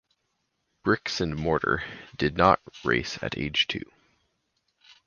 Bricks and Mortar did not race at age two.